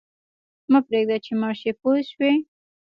مه پرېږده چې مړ شې پوه شوې!.